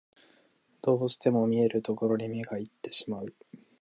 どうしても見えるところに目がいってしまう